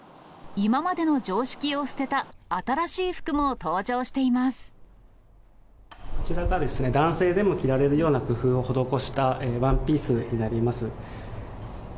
今までの常識を捨てた新しいこちらがですね、男性でも着られるような工夫を施したワンピースになります。